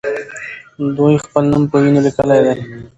دوی خپل نوم په وینو لیکلی دی.